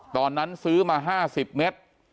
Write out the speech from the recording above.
ตอนนั้นซื้อมา๕๐เมตร